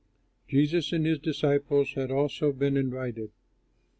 Jesus and his disciples had also been invited.